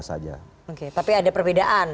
saja oke tapi ada perbedaan